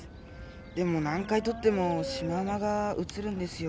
でも何回とってもシマウマがうつるんですよ。